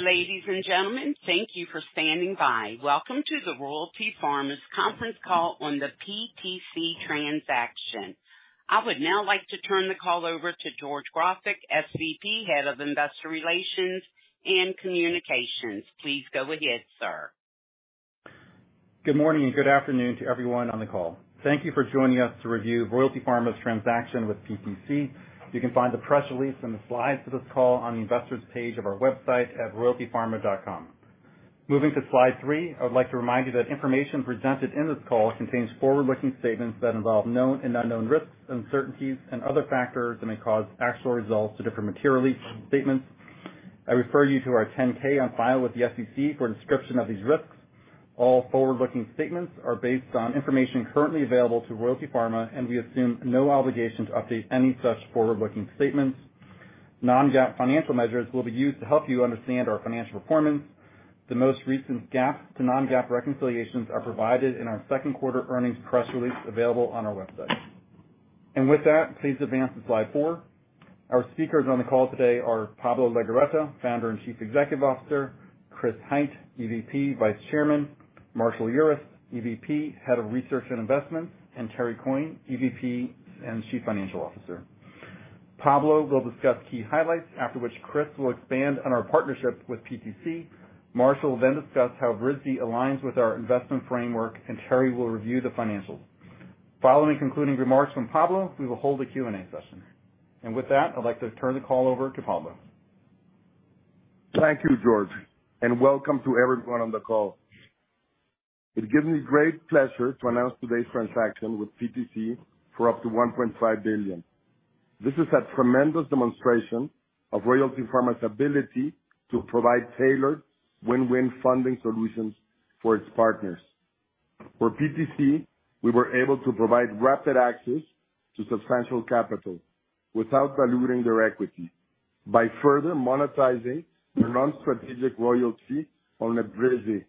Ladies and gentlemen, thank you for standing by. Welcome to the Royalty Pharma's conference call on the PTC transaction. I would now like to turn the call over to George Grofik, SVP, Head of Investor Relations and Communications. Please go ahead, sir. Good morning and good afternoon to everyone on the call. Thank you for joining us to review Royalty Pharma's transaction with PTC. You can find the press release and the slides for this call on the investors' page of our website at royaltypharma.com. Moving to slide three, I would like to remind you that information presented in this call contains forward-looking statements that involve known and unknown risks, uncertainties, and other factors that may cause actual results to differ materially from statements. I refer you to our 10-K on file with the SEC for a description of these risks. All forward-looking statements are based on information currently available to Royalty Pharma, and we assume no obligation to update any such forward-looking statements. Non-GAAP financial measures will be used to help you understand our financial performance. The most recent GAAP to non-GAAP reconciliations are provided in our second quarter earnings press release available on our website. With that, please advance to slide four. Our speakers on the call today are Pablo Legorreta, Founder and Chief Executive Officer; Chris Hite, EVP, Vice Chairman; Marshall Urist, EVP, Head of Research and Investments; and Terry Coyne, EVP and Chief Financial Officer. Pablo will discuss key highlights, after which Chris will expand on our partnership with PTC. Marshall will then discuss how Evrysdi aligns with our investment framework, and Terry will review the financials. Following concluding remarks from Pablo, we will hold a Q&A session. With that, I'd like to turn the call over to Pablo. Thank you, George, and welcome to everyone on the call. It gives me great pleasure to announce today's transaction with PTC for up to $1.5 billion. This is a tremendous demonstration of Royalty Pharma's ability to provide tailored win-win funding solutions for its partners. For PTC, we were able to provide rapid access to substantial capital without diluting their equity by further monetizing their non-strategic royalty on Evrysdi,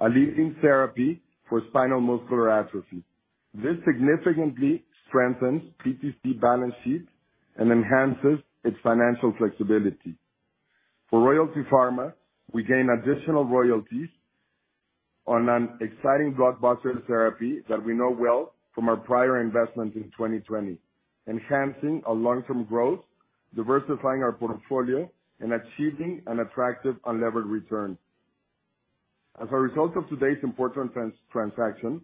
a leading therapy for spinal muscular atrophy. This significantly strengthens PTC's balance sheet and enhances its financial flexibility. For Royalty Pharma, we gain additional royalties on an exciting blockbuster therapy that we know well from our prior investments in 2020, enhancing our long-term growth, diversifying our portfolio, and achieving an attractive unlevered return. As a result of today's important transaction,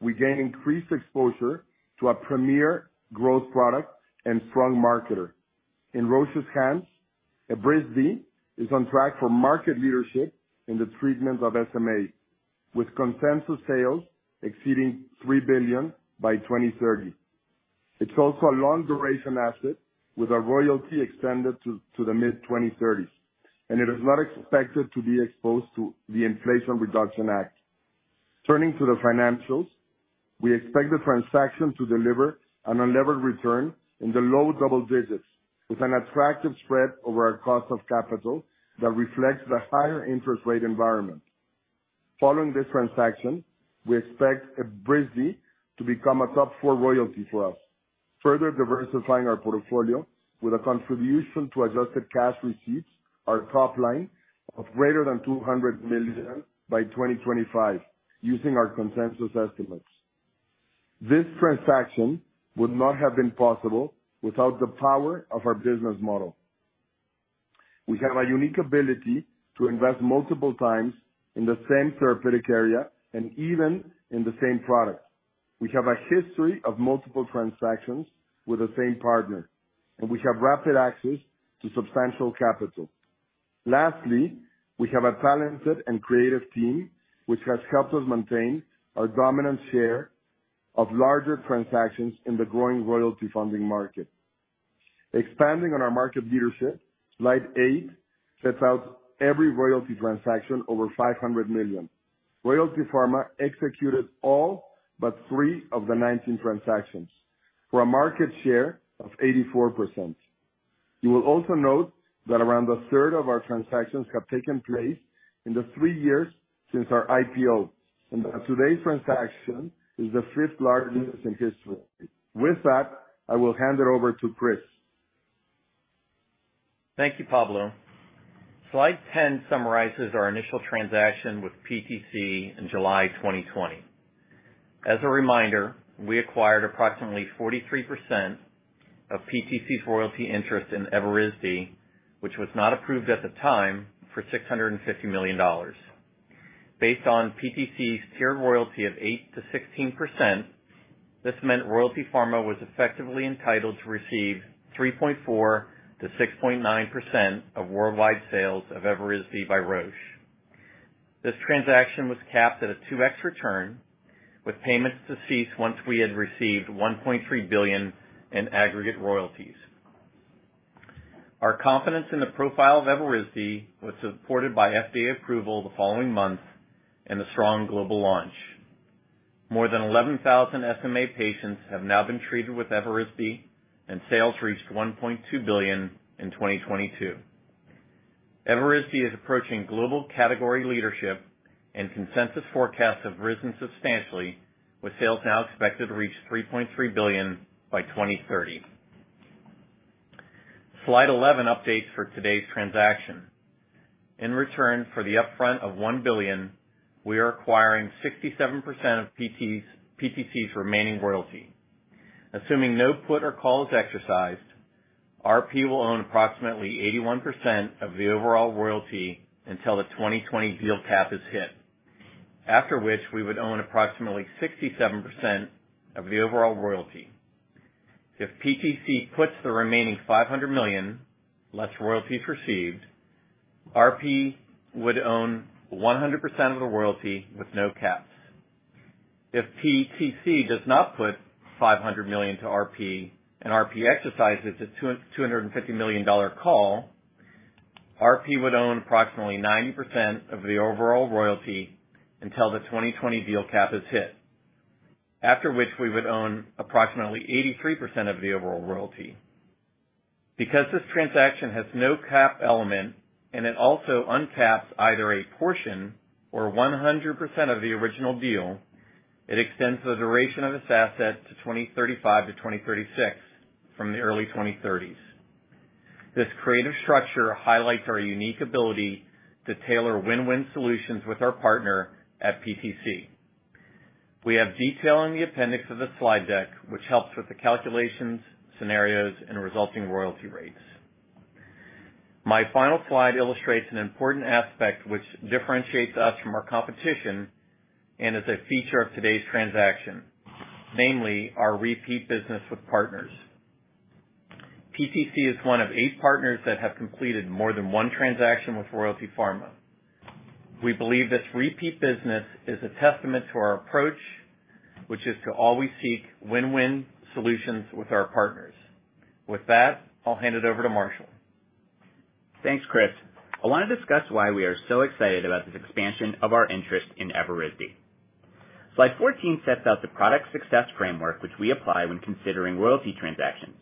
we gain increased exposure to a premier growth product and strong marketer. In Roche's hands, Evrysdi is on track for market leadership in the treatment of SMA, with consensus sales exceeding $3 billion by 2030. It's also a long-duration asset with a royalty extended to the mid-2030s, and it is not expected to be exposed to the Inflation Reduction Act. Turning to the financials, we expect the transaction to deliver an unlevered return in the low double digits with an attractive spread over our cost of capital that reflects the higher interest rate environment. Following this transaction, we expect Evrysdi to become a top four royalty for us, further diversifying our portfolio with a contribution to adjusted cash receipts, our top line of greater than $200 million by 2025, using our consensus estimates. This transaction would not have been possible without the power of our business model. We have a unique ability to invest multiple times in the same therapeutic area and even in the same product. We have a history of multiple transactions with the same partner, and we have rapid access to substantial capital. Lastly, we have a talented and creative team which has helped us maintain our dominant share of larger transactions in the growing royalty funding market. Expanding on our market leadership, slide eight sets out every royalty transaction over $500 million. Royalty Pharma executed all but three of the 19 transactions for a market share of 84%. You will also note that around a third of our transactions have taken place in the three years since our IPO, and that today's transaction is the fifth largest in history. With that, I will hand it over to Chris. Thank you, Pablo. Slide 10 summarizes our initial transaction with PTC in July 2020. As a reminder, we acquired approximately 43% of PTC's royalty interest in Evrysdi, which was not approved at the time, for $650 million. Based on PTC's tiered royalty of 8%-16%, this meant Royalty Pharma was effectively entitled to receive 3.4%-6.9% of worldwide sales of Evrysdi by Roche. This transaction was capped at a 2X return, with payments to cease once we had received $1.3 billion in aggregate royalties. Our confidence in the profile of Evrysdi was supported by FDA approval the following month and a strong global launch. More than 11,000 SMA patients have now been treated with Evrysdi, and sales reached $1.2 billion in 2022. Evrysdi is approaching global category leadership, and consensus forecasts have risen substantially, with sales now expected to reach $3.3 billion by 2030. Slide 11 updates for today's transaction. In return for the upfront of $1 billion, we are acquiring 67% of PTC's remaining royalty. Assuming no put or call is exercised, RP will own approximately 81% of the overall royalty until the 2020 deal cap is hit, after which we would own approximately 67% of the overall royalty. If PTC puts the remaining $500 million less royalties received, RP would own 100% of the royalty with no caps. If PTC does not put $500 million to RP and RP exercises the $250 million call, RP would own approximately 90% of the overall royalty until the 2020 deal cap is hit, after which we would own approximately 83% of the overall royalty. Because this transaction has no cap element and it also uncaps either a portion or 100% of the original deal, it extends the duration of this asset to 2035-2036 from the early 2030s. This creative structure highlights our unique ability to tailor win-win solutions with our partner at PTC. We have detail in the appendix of the slide deck, which helps with the calculations, scenarios, and resulting royalty rates. My final slide illustrates an important aspect which differentiates us from our competition and is a feature of today's transaction, namely our repeat business with partners. PTC is one of eight partners that have completed more than one transaction with Royalty Pharma. We believe this repeat business is a testament to our approach, which is to always seek win-win solutions with our partners. With that, I'll hand it over to Marshall. Thanks, Chris. I want to discuss why we are so excited about this expansion of our interest in Evrysdi. Slide 14 sets out the product success framework which we apply when considering royalty transactions.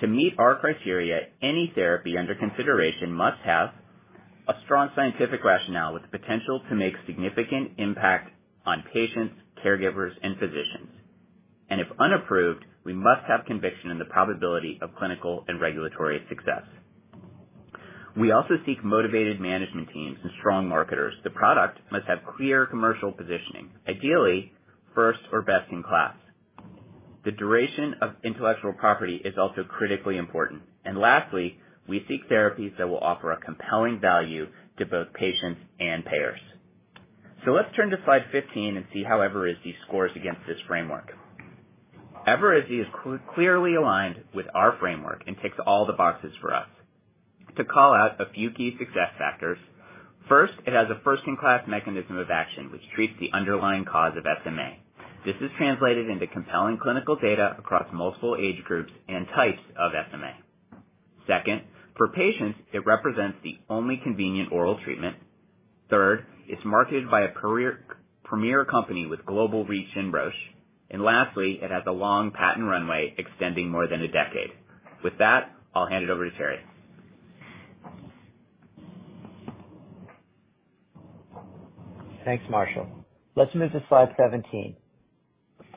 To meet our criteria, any therapy under consideration must have a strong scientific rationale with the potential to make a significant impact on patients, caregivers, and physicians, and if unapproved, we must have conviction in the probability of clinical and regulatory success. We also seek motivated management teams and strong marketers. The product must have clear commercial positioning, ideally first or best in class. The duration of intellectual property is also critically important, and lastly, we seek therapies that will offer a compelling value to both patients and payers, so let's turn to slide 15 and see how Evrysdi scores against this framework. Evrysdi is clearly aligned with our framework and ticks all the boxes for us. To call out a few key success factors, first, it has a first-in-class mechanism of action which treats the underlying cause of SMA. This is translated into compelling clinical data across multiple age groups and types of SMA. Second, for patients, it represents the only convenient oral treatment. Third, it's marketed by a premier company with global reach in Roche. And lastly, it has a long patent runway extending more than a decade. With that, I'll hand it over to Terry. Thanks, Marshall. Let's move to slide 17.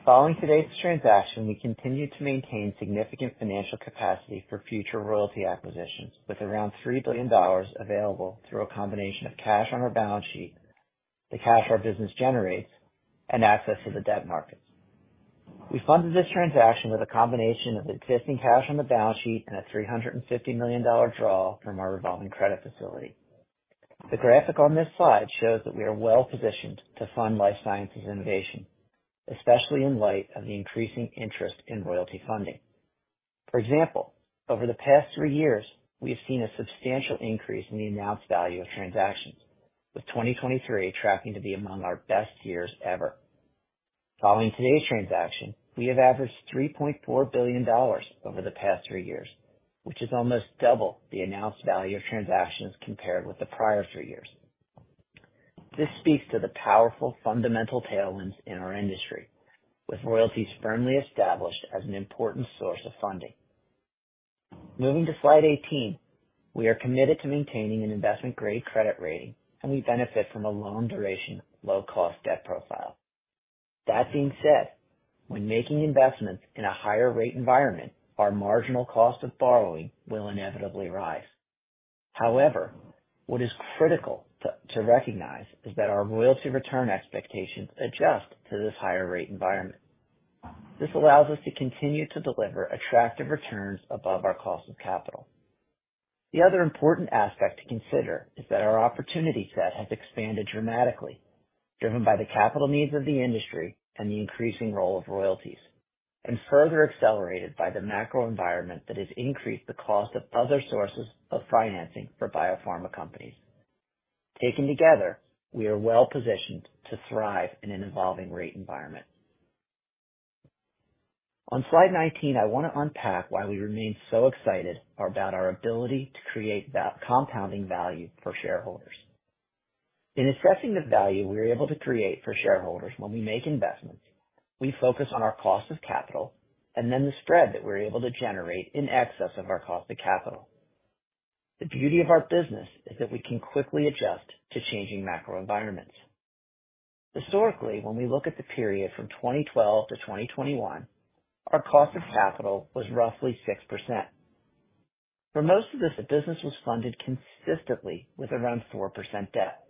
Following today's transaction, we continue to maintain significant financial capacity for future royalty acquisitions with around $3 billion available through a combination of cash on our balance sheet, the cash our business generates, and access to the debt markets. We funded this transaction with a combination of existing cash on the balance sheet and a $350 million draw from our revolving credit facility. The graphic on this slide shows that we are well-positioned to fund life sciences innovation, especially in light of the increasing interest in royalty funding. For example, over the past three years, we have seen a substantial increase in the announced value of transactions, with 2023 tracking to be among our best years ever. Following today's transaction, we have averaged $3.4 billion over the past three years, which is almost double the announced value of transactions compared with the prior three years. This speaks to the powerful fundamental tailwinds in our industry, with royalties firmly established as an important source of funding. Moving to slide 18, we are committed to maintaining an investment-grade credit rating, and we benefit from a long-duration, low-cost debt profile. That being said, when making investments in a higher-rate environment, our marginal cost of borrowing will inevitably rise. However, what is critical to recognize is that our royalty return expectations adjust to this higher-rate environment. This allows us to continue to deliver attractive returns above our cost of capital. The other important aspect to consider is that our opportunity set has expanded dramatically, driven by the capital needs of the industry and the increasing role of royalties, and further accelerated by the macro environment that has increased the cost of other sources of financing for biopharma companies. Taken together, we are well-positioned to thrive in an evolving rate environment. On slide 19, I want to unpack why we remain so excited about our ability to create compounding value for shareholders. In assessing the value we are able to create for shareholders when we make investments, we focus on our cost of capital and then the spread that we're able to generate in excess of our cost of capital. The beauty of our business is that we can quickly adjust to changing macro environments. Historically, when we look at the period from 2012 to 2021, our cost of capital was roughly 6%. For most of this, the business was funded consistently with around 4% debt.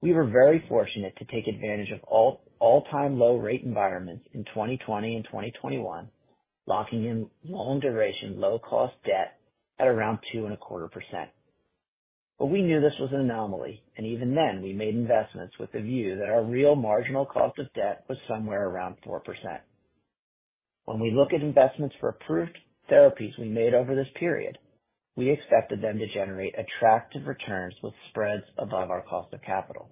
We were very fortunate to take advantage of all-time low-rate environments in 2020 and 2021, locking in long-duration, low-cost debt at around 2.25%. But we knew this was an anomaly, and even then, we made investments with the view that our real marginal cost of debt was somewhere around 4%. When we look at investments for approved therapies we made over this period, we expected them to generate attractive returns with spreads above our cost of capital.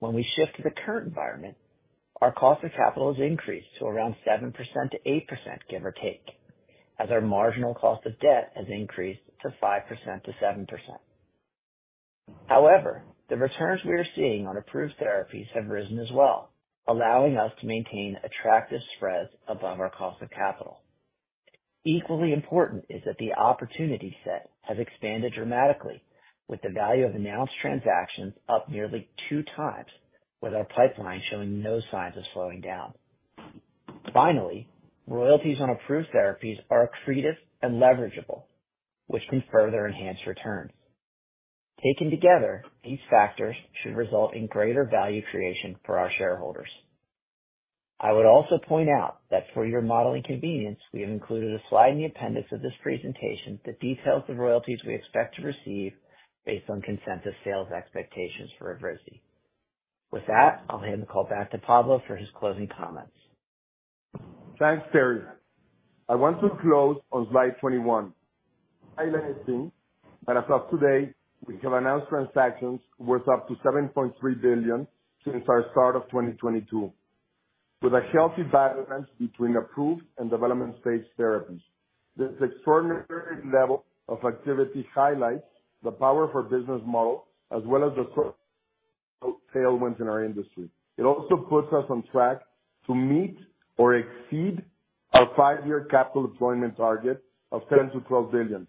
When we shift to the current environment, our cost of capital has increased to around 7%-8%, give or take, as our marginal cost of debt has increased to 5%-7%. However, the returns we are seeing on approved therapies have risen as well, allowing us to maintain attractive spreads above our cost of capital. Equally important is that the opportunity set has expanded dramatically, with the value of announced transactions up nearly two times, with our pipeline showing no signs of slowing down. Finally, royalties on approved therapies are accretive and leverageable, which can further enhance returns. Taken together, these factors should result in greater value creation for our shareholders. I would also point out that for your modeling convenience, we have included a slide in the appendix of this presentation that details the royalties we expect to receive based on consensus sales expectations for Evrysdi. With that, I'll hand the call back to Pablo for his closing comments. Thanks, Terry. I want to close on slide 21. Highlighting that as of today, we have announced transactions worth up to $7.3 billion since our start of 2022, with a healthy balance between approved and development-stage therapies. This extraordinary level of activity highlights the power of our business model, as well as the sort of tailwinds in our industry. It also puts us on track to meet or exceed our five-year capital deployment target of $10 billion-$12 billion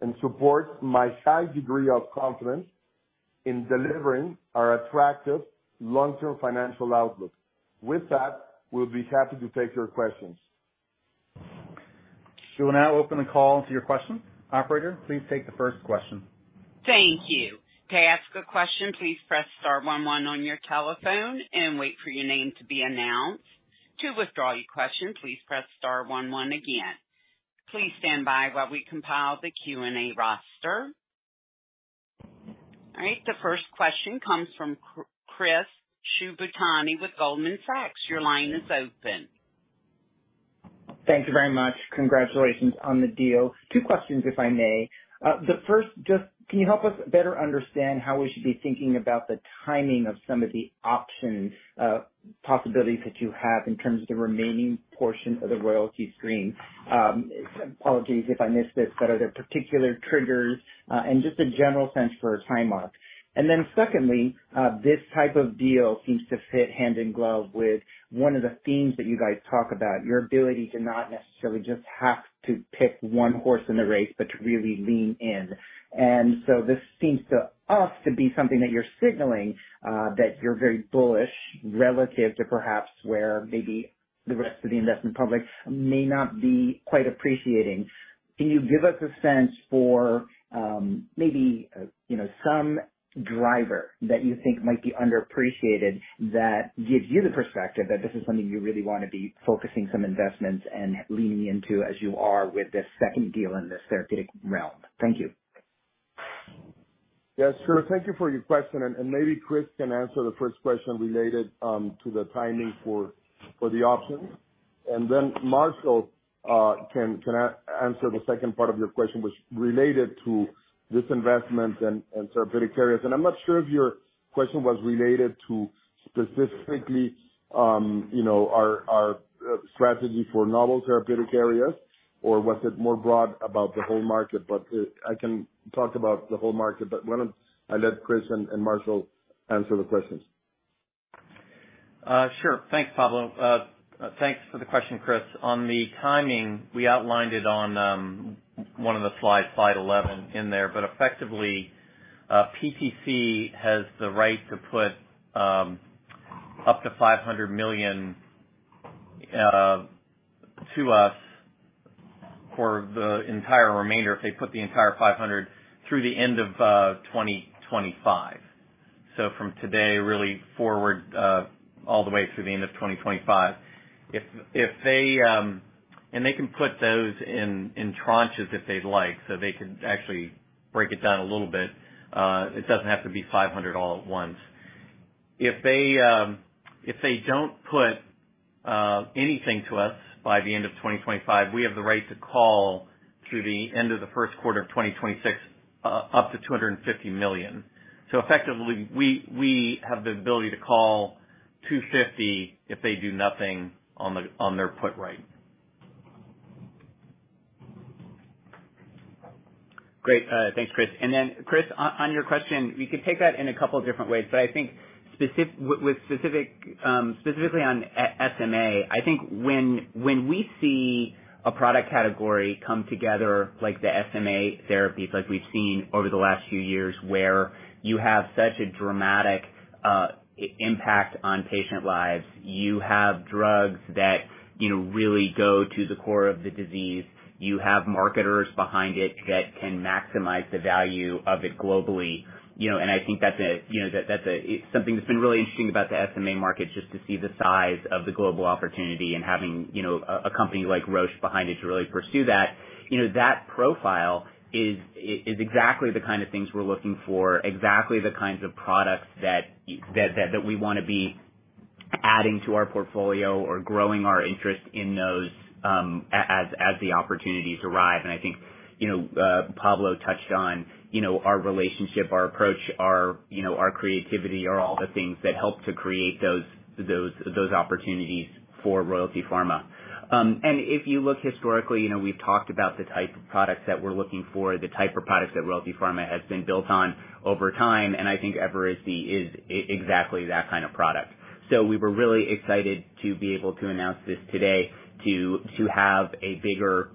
and supports my high degree of confidence in delivering our attractive long-term financial outlook. With that, we'll be happy to take your questions. We will now open the call to your questions. Operator, please take the first question. Thank you. To ask a question, please press star one one on your telephone and wait for your name to be announced. To withdraw your question, please press star one one again. Please stand by while we compile the Q&A roster. All right. The first question comes from Chris Shibutani with Goldman Sachs. Your line is open. Thank you very much. Congratulations on the deal. Two questions, if I may. The first, just can you help us better understand how we should be thinking about the timing of some of the options, possibilities that you have in terms of the remaining portion of the royalty stream? Apologies if I missed this, but are there particular triggers and just a general sense for a time mark? And then secondly, this type of deal seems to fit hand in glove with one of the themes that you guys talk about, your ability to not necessarily just have to pick one horse in the race, but to really lean in. And so this seems to us to be something that you're signaling that you're very bullish relative to perhaps where maybe the rest of the investment public may not be quite appreciating. Can you give us a sense for maybe some driver that you think might be underappreciated that gives you the perspective that this is something you really want to be focusing some investments and leaning into as you are with this second deal in this therapeutic realm? Thank you. Yes, sure. Thank you for your question. And maybe Chris can answer the first question related to the timing for the options. And then Marshall can answer the second part of your question, which related to this investment and therapeutic areas. And I'm not sure if your question was related to specifically our strategy for novel therapeutic areas, or was it more broad about the whole market? But I can talk about the whole market, but why don't I let Chris and Marshall answer the questions? Sure. Thanks, Pablo. Thanks for the question, Chris. On the timing, we outlined it on one of the slides, slide 11 in there. But effectively, PTC has the right to put up to $500 million to us for the entire remainder, if they put the entire $500, through the end of 2025. So from today, really forward all the way through the end of 2025. And they can put those in tranches if they'd like, so they could actually break it down a little bit. It doesn't have to be $500 all at once. If they don't put anything to us by the end of 2025, we have the right to call through the end of the first quarter of 2026 up to $250 million. So effectively, we have the ability to call $250 if they do nothing on their put rate. Great. Thanks, Chris, and then Chris, on your question, we can take that in a couple of different ways, but I think specifically on SMA, I think when we see a product category come together like the SMA therapies, like we've seen over the last few years where you have such a dramatic impact on patient lives, you have drugs that really go to the core of the disease, you have marketers behind it that can maximize the value of it globally, and I think that's something that's been really interesting about the SMA market, just to see the size of the global opportunity and having a company like Roche behind it to really pursue that. That profile is exactly the kind of things we're looking for, exactly the kinds of products that we want to be adding to our portfolio or growing our interest in those as the opportunities arrive. And I think Pablo touched on our relationship, our approach, our creativity, all the things that help to create those opportunities for Royalty Pharma. And if you look historically, we've talked about the type of products that we're looking for, the type of products that Royalty Pharma has been built on over time. And I think Evrysdi is exactly that kind of product. So we were really excited to be able to announce this today, to have a bigger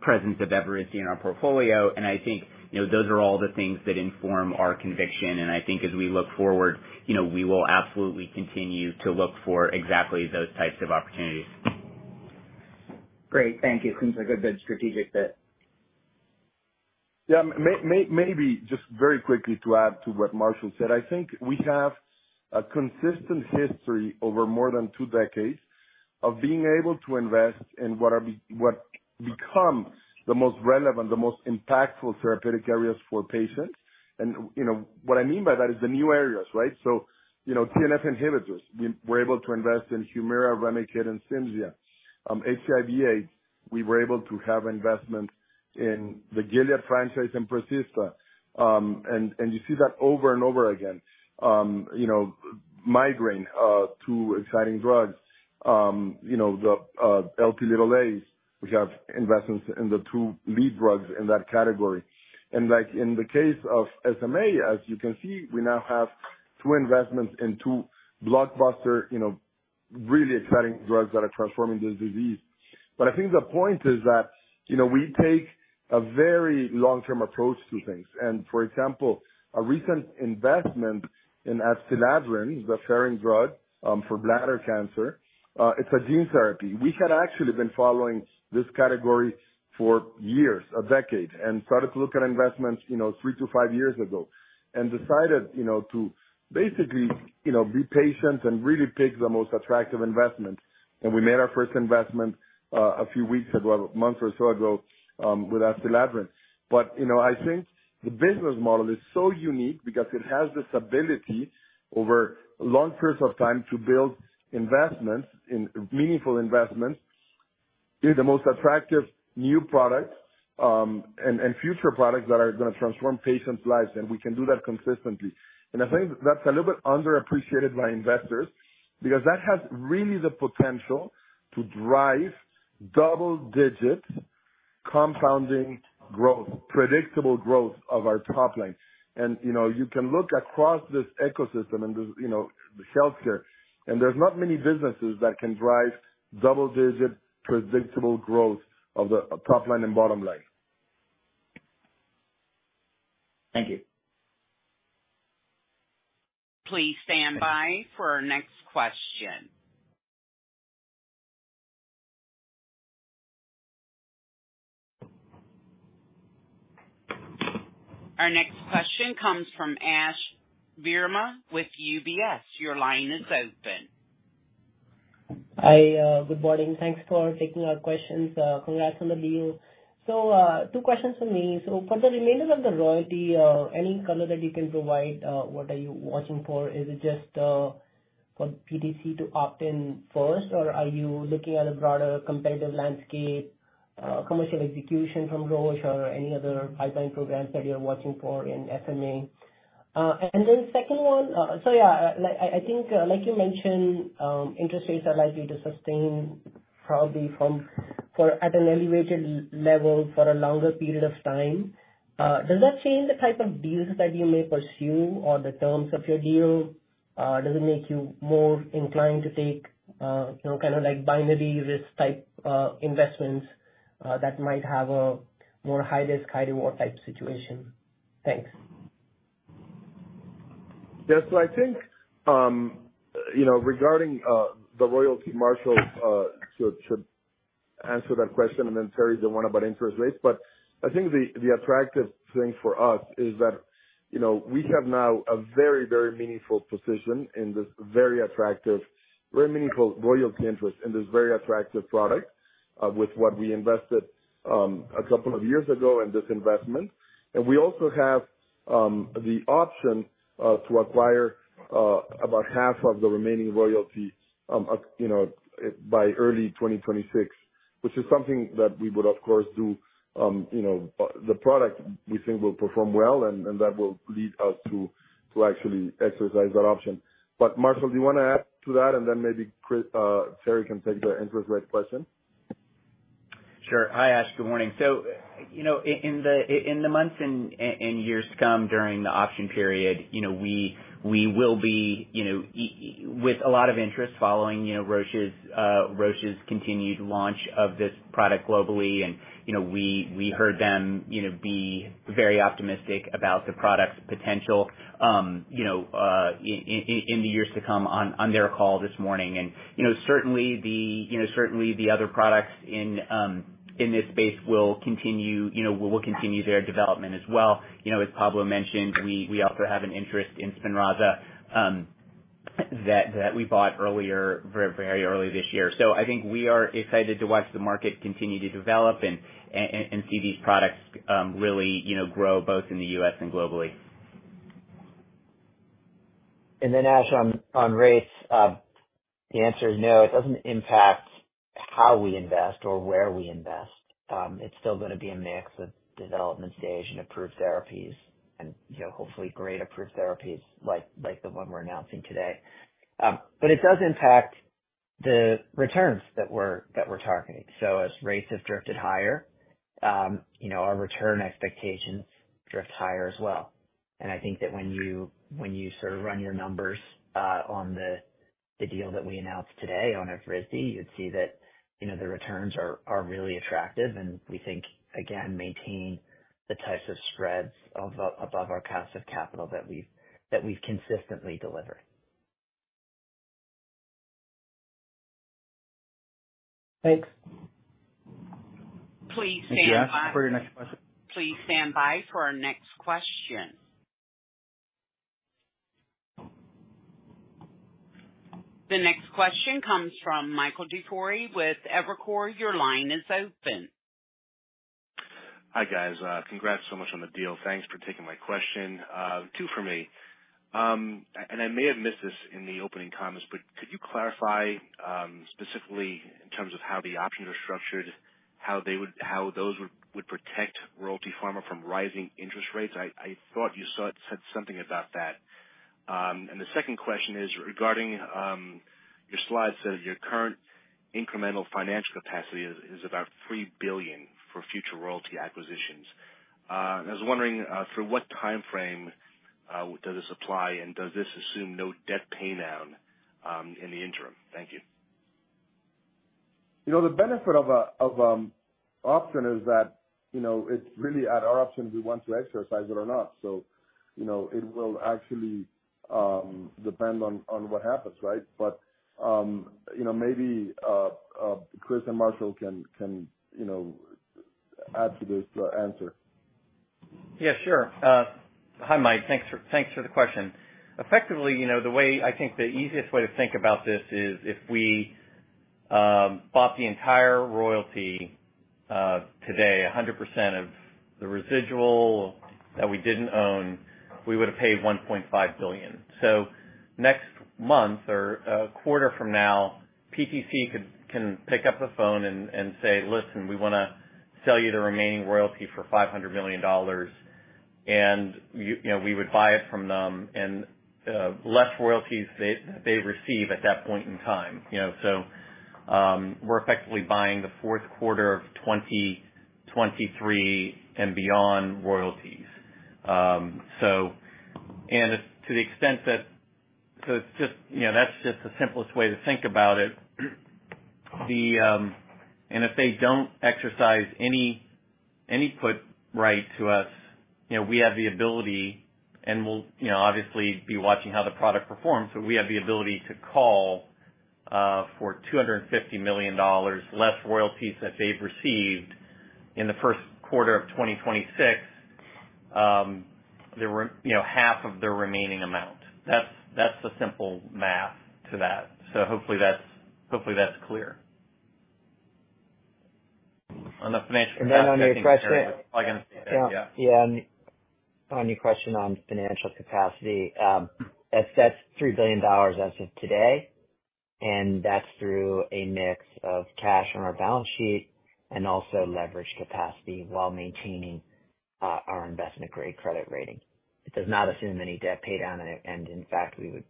presence of Evrysdi in our portfolio. And I think those are all the things that inform our conviction. I think as we look forward, we will absolutely continue to look for exactly those types of opportunities. Great. Thank you. Seems like a good strategic fit. Yeah. Maybe just very quickly to add to what Marshall said, I think we have a consistent history over more than two decades of being able to invest in what become the most relevant, the most impactful therapeutic areas for patients. And what I mean by that is the new areas, right? So TNF inhibitors, we're able to invest in Humira, Remicade, and Cimzia. HIV/AIDS, we were able to have investments in the Gilead franchise and Prezista. And you see that over and over again. Migraine, two exciting drugs. The Lp(a)s, we have investments in the two lead drugs in that category. And in the case of SMA, as you can see, we now have two investments in two blockbuster, really exciting drugs that are transforming this disease. But I think the point is that we take a very long-term approach to things. For example, a recent investment in Adstiladrin, the Ferring drug for bladder cancer, it's a gene therapy. We had actually been following this category for years, a decade, and started to look at investments three to five years ago and decided to basically be patient and really pick the most attractive investments. And we made our first investment a few weeks ago, a month or so ago with Adstiladrin. But I think the business model is so unique because it has this ability over a long period of time to build investments, meaningful investments, the most attractive new products and future products that are going to transform patients' lives. And we can do that consistently. And I think that's a little bit underappreciated by investors because that has really the potential to drive double-digit compounding growth, predictable growth of our top line. You can look across this ecosystem and the healthcare, and there's not many businesses that can drive double-digit predictable growth of the top line and bottom line. Thank you. Please stand by for our next question. Our next question comes from Ash Verma with UBS. Your line is open. Hi. Good morning. Thanks for taking our questions. Congrats on the deal. So two questions for me. So for the remainder of the royalty, any color that you can provide, what are you watching for? Is it just for PTC to opt in first, or are you looking at a broader competitive landscape, commercial execution from Roche, or any other pipeline programs that you're watching for in SMA? And then second one, so yeah, I think like you mentioned, interest rates are likely to sustain probably at an elevated level for a longer period of time. Does that change the type of deals that you may pursue or the terms of your deal? Does it make you more inclined to take kind of binary risk type investments that might have a more high-risk, high-reward type situation? Thanks. Yes. So I think regarding the royalty, Marshall should answer that question, and then Terry the one about interest rates. But I think the attractive thing for us is that we have now a very, very meaningful position in this very attractive, very meaningful royalty interest in this very attractive product with what we invested a couple of years ago in this investment. And we also have the option to acquire about half of the remaining royalty by early 2026, which is something that we would, of course, do. The product we think will perform well, and that will lead us to actually exercise that option. But Marshall, do you want to add to that? And then maybe Terry can take the interest rate question. Sure. Hi, Ash. Good morning. So in the months and years to come during the option period, we will be with a lot of interest following Roche's continued launch of this product globally. And we heard them be very optimistic about the product's potential in the years to come on their call this morning. And certainly, the other products in this space will continue their development as well. As Pablo mentioned, we also have an interest in Spinraza that we bought earlier, very early this year. So I think we are excited to watch the market continue to develop and see these products really grow both in the U.S. and globally. Then, Ash, on rates, the answer is no. It doesn't impact how we invest or where we invest. It's still going to be a mix of development stage and approved therapies and hopefully great approved therapies like the one we're announcing today. But it does impact the returns that we're targeting. So as rates have drifted higher, our return expectations drift higher as well. And I think that when you sort of run your numbers on the deal that we announced today on Adstiladrin, you'd see that the returns are really attractive. And we think, again, maintain the types of spreads above our cost of capital that we've consistently delivered. Thanks. Please stand by. Yes, for your next question. Please stand by for our next question. The next question comes from Michael DiFiore with Evercore. Your line is open. Hi guys. Congrats so much on the deal. Thanks for taking my question. Two for me. And I may have missed this in the opening comments, but could you clarify specifically in terms of how the options are structured, how those would protect Royalty Pharma from rising interest rates? I thought you said something about that. And the second question is regarding your slide said your current incremental financial capacity is about $3 billion for future royalty acquisitions. I was wondering for what timeframe does this apply, and does this assume no debt paydown in the interim? Thank you. The benefit of an option is that it's really at our option we want to exercise it or not. So it will actually depend on what happens, right? But maybe Chris and Marshall can add to this answer. Yeah, sure. Hi, Mike. Thanks for the question. Effectively, the way I think the easiest way to think about this is if we bought the entire royalty today, 100% of the residual that we didn't own, we would have paid $1.5 billion. So next month or a quarter from now, PTC can pick up the phone and say, "Listen, we want to sell you the remaining royalty for $500 million," and we would buy it from them and less royalties that they receive at that point in time. So we're effectively buying the fourth quarter of 2023 and beyond royalties. And to the extent that so that's just the simplest way to think about it. And if they don't exercise any put right to us, we have the ability, and we'll obviously be watching how the product performs. So we have the ability to call for $250 million, less royalties that they've received in the first quarter of 2026, half of the remaining amount. That's the simple math to that. So hopefully that's clear. On the financial capacity, I was probably going to say that. Yeah. On your question on financial capacity, that's $3 billion as of today, and that's through a mix of cash on our balance sheet and also leverage capacity while maintaining our investment-grade credit rating. It does not assume any debt paydown. And in fact, we would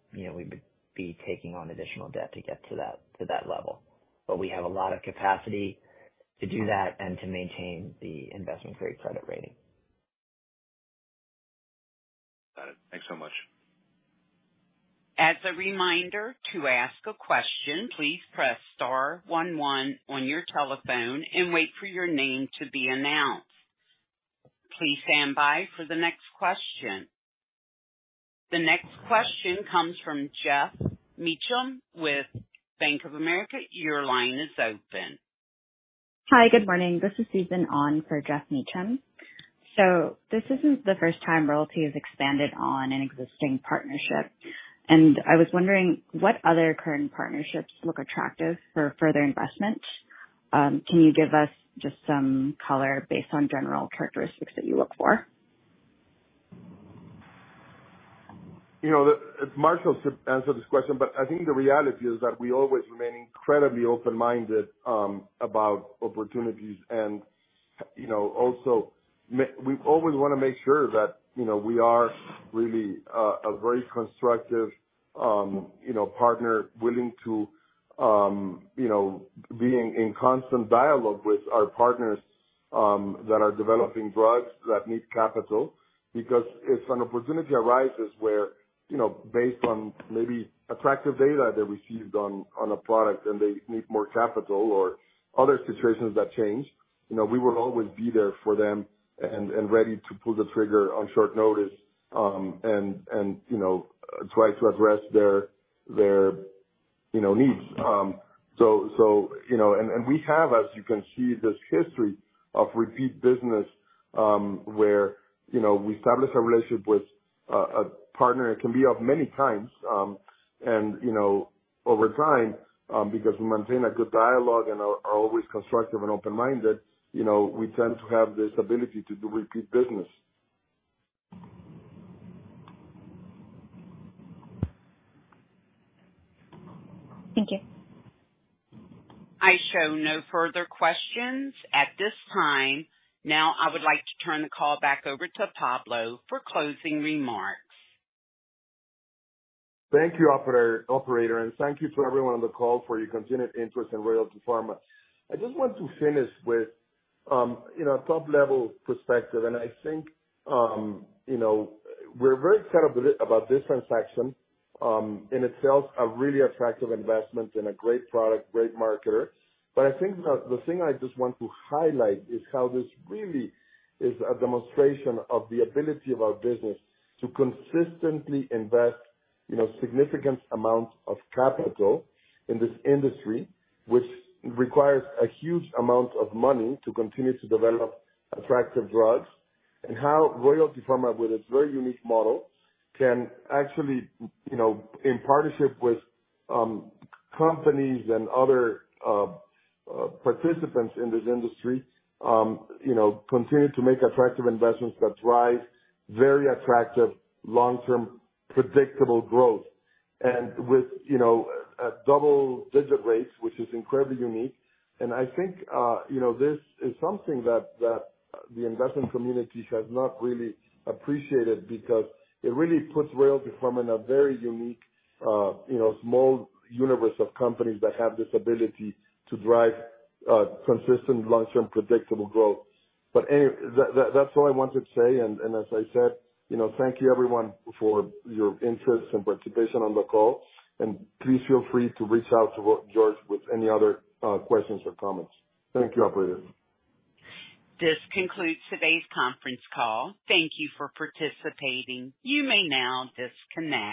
be taking on additional debt to get to that level. But we have a lot of capacity to do that and to maintain the investment-grade credit rating. Got it. Thanks so much. As a reminder to ask a question, please press star one one on your telephone and wait for your name to be announced. Please stand by for the next question. The next question comes from Geoff Meacham with Bank of America. Your line is open. Hi, good morning. This is Susan Oh for Geoff Meacham. So this isn't the first time Royalty has expanded on an existing partnership. And I was wondering what other current partnerships look attractive for further investment. Can you give us just some color based on general characteristics that you look for? Marshall should answer this question, but I think the reality is that we always remain incredibly open-minded about opportunities. And also, we always want to make sure that we are really a very constructive partner willing to be in constant dialogue with our partners that are developing drugs that need capital because if an opportunity arises where based on maybe attractive data they received on a product and they need more capital or other situations that change, we will always be there for them and ready to pull the trigger on short notice and try to address their needs. And we have, as you can see, this history of repeat business where we establish a relationship with a partner. It can be of many kinds. And over time, because we maintain a good dialogue and are always constructive and open-minded, we tend to have this ability to do repeat business. Thank you. I show no further questions at this time. Now, I would like to turn the call back over to Pablo for closing remarks. Thank you, operator, and thank you to everyone on the call for your continued interest in Royalty Pharma. I just want to finish with a top-level perspective, and I think we're very excited about this transaction. In itself, a really attractive investment and a great product, great marketer, but I think the thing I just want to highlight is how this really is a demonstration of the ability of our business to consistently invest significant amounts of capital in this industry, which requires a huge amount of money to continue to develop attractive drugs, and how Royalty Pharma, with its very unique model, can actually, in partnership with companies and other participants in this industry, continue to make attractive investments that drive very attractive long-term predictable growth and with double-digit rates, which is incredibly unique. And I think this is something that the investment community has not really appreciated because it really puts Royalty Pharma in a very unique small universe of companies that have this ability to drive consistent long-term predictable growth. But anyway, that's all I wanted to say. And as I said, thank you, everyone, for your interest and participation on the call. And please feel free to reach out to George with any other questions or comments. Thank you, operator. This concludes today's conference call. Thank you for participating. You may now disconnect.